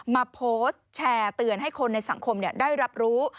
มาโพสต์แชร์เตือนให้คนในสังคมได้รับรู้